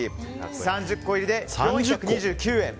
３０個入りで４２９円。